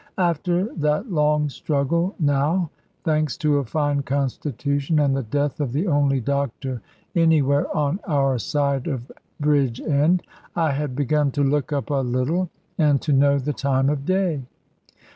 After that long struggle now (thanks to a fine constitution and the death of the only doctor anywhere on our side of Bridgend), I had begun to look up a little and to know the time of day.